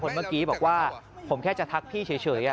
เมื่อกี้บอกว่าผมแค่จะทักพี่เฉย